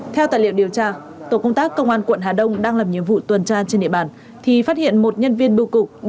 theo tài liệu điều tra tổ công tác công an quận hà đông đang làm nhiệm vụ tuần tra trên địa bàn thì phát hiện một nhân viên bưu cục